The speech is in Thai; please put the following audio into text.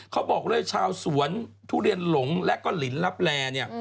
เขาบอกว่าชาวสวนทุเรียนหลงและก็หลินรับแล